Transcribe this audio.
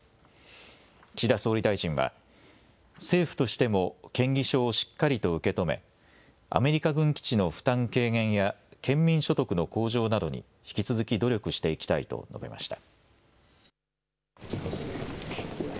岸田総理大臣は政府としても建議書をしっかりと受け止め、アメリカ軍基地の負担軽減や県民所得の向上などに引き続き努力していきたいと述べました。